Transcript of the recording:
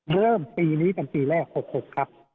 เริ่มปีนี้เป็นปีแรก๖๖ครับ